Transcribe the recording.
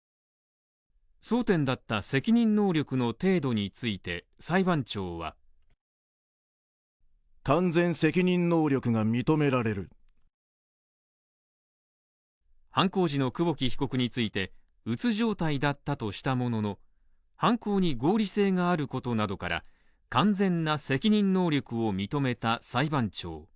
争点だった責任能力の程度について裁判長は犯行時の久保木被告について、鬱状態だったとしたものの、犯行に合理性があることなどから、完全な責任能力を認めた裁判長。